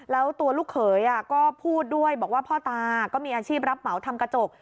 แล้วตัวลูกเขยก็พูดด้วยบอกว่าพ่อตาก็มีอาชีพรับเหมาทำกระจก